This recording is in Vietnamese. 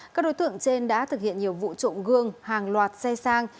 các đối tượng trên đã thực hiện nhiều vụ trộm gương hàng loạt xe sang